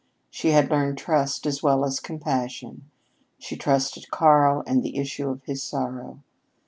She had learned trust as well as compassion. She trusted Karl and the issue of his sorrow.